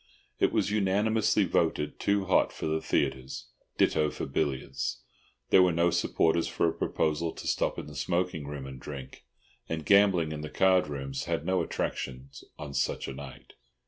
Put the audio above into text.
It was unanimously voted too hot for the theatres, ditto for billiards. There were no supporters for a proposal to stop in the smoking room and drink, and gambling in the card rooms had no attractions on such a night.